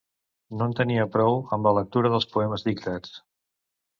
No en tenia prou amb la lectura dels poemes dictats